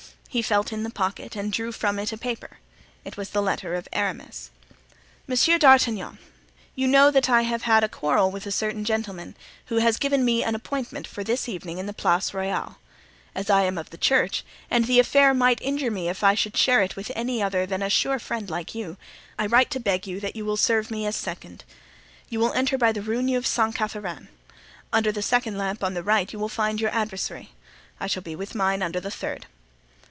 He felt in the pocket and drew from it a paper; it was the letter of Aramis: "Monsieur D'Artagnan: You know that I have had a quarrel with a certain gentleman, who has given me an appointment for this evening in the Place Royale. As I am of the church, and the affair might injure me if I should share it with any other than a sure friend like you, I write to beg that you will serve me as second. "You will enter by the Rue Neuve Sainte Catherine; under the second lamp on the right you will find your adversary. I shall be with mine under the third.